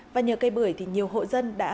và nhờ cây bưởi thì nhiều hộ dân đã